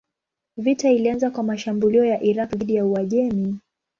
Vita ilianza kwa mashambulio ya Irak dhidi ya Uajemi.